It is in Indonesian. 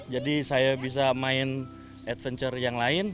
jadi saya bisa main adventure yang lain